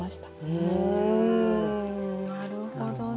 うんなるほどね。